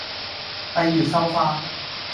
閉月羞花